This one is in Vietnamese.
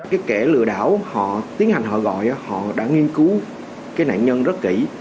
cái kẻ lừa đảo họ tiến hành họ gọi họ đã nghiên cứu cái nạn nhân rất kỹ